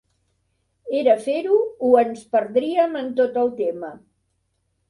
Era fer-ho o ens perdríem en tot el tema.